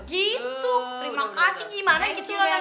terima kasih gimana gitu loh tante